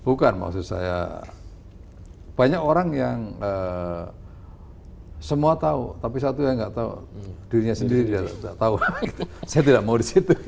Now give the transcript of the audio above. bukan maksud saya banyak orang yang semua tahu tapi satu yang enggak tahu dirinya sendiri dia enggak tahu saya tidak mau disitu